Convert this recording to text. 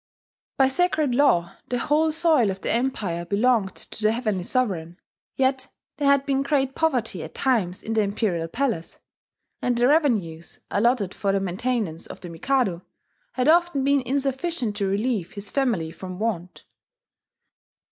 By sacred law the whole soil of the empire belonged to the Heavenly Sovereign: yet there had been great poverty at times in the imperial palace; and the revenues, allotted for the maintenance of the Mikado, had often been insufficient to relieve his family from want.